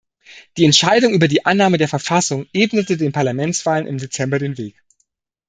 Die Entscheidung über die Annahme der Verfassung ebnete den Parlamentswahlen im Dezember den Weg.